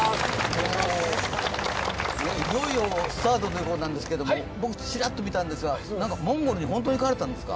いよいよスタートということなんですけども、僕、ちらっと見たんですが、なんかモンゴルに本当に行かれたんですか？